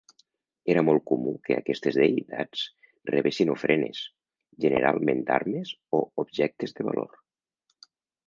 Era molt comú que aquestes deïtats rebessin ofrenes, generalment d'armes o objectes de valor.